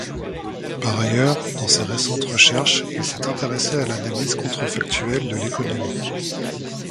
Par ailleurs, dans ses récentes recherches, il s'est intéressé à l'analyse contrefactuelle de l'économie.